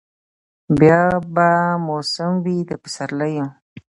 بیا به موسم وي د پسرلیو